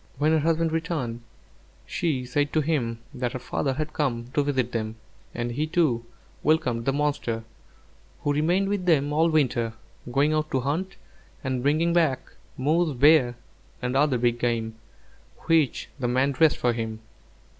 When her husband returned, she said to him that her father had come to visit them, and he, too, welcomed the monster, who remained with them all winter, going out to hunt, and bringing back moose, bear, and other big game, which the man dressed for him.